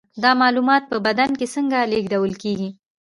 دا معلومات په بدن کې څنګه لیږدول کیږي